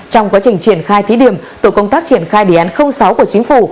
trong quá trình triển khai thí điểm tổ công tác triển khai đề án sáu của chính phủ